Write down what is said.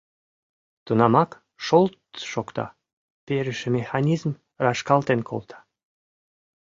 Тунамак шолт-т шокта, перыше механизм рашкалтен колта.